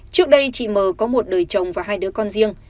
trước đây chị m có một đời chồng và hai đứa con riêng